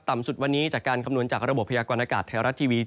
สุดวันนี้จากการคำนวณจากระบบพยากรณากาศไทยรัฐทีวี